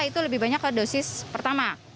itu lebih banyak ke dosis pertama